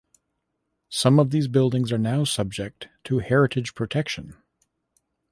Some of these buildings are now subject to heritage protection.